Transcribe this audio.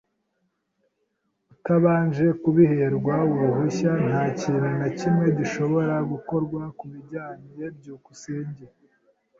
Utabanje kubiherwa uruhushya, ntakintu na kimwe gishobora gukorwa kubijyanye. byukusenge